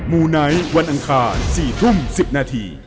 มูไนท์วันอังคาร๔ทุ่ม๑๐นาที